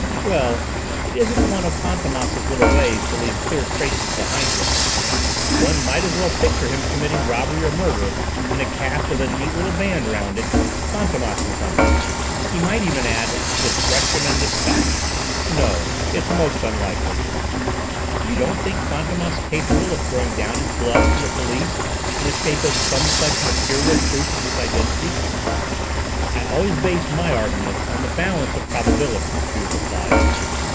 "Well, it isn't one of Fantômas' little ways to leave clear traces behind him. One might as well picture him committing robbery or murder in a cap with a neat little band round it: 'Fantômas and Co.' He might even add 'Discretion and Dispatch!' No, it's most unlikely." "You don't think Fantômas capable of throwing down his glove to the police in the shape of some such material proof of his identity?" "I always base my arguments on the balance of probabilities," Juve replied.